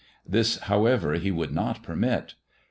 This, however, he would not permit.